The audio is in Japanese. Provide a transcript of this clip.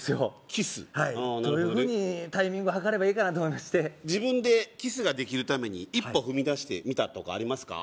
キスどういうふうにタイミング計ればいいかなと思いまして自分でキスができるために一歩踏み出してみたとかありますか？